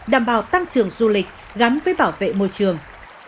đảm bảo tăng trưởng du lịch gắn với bảo vệ môi trường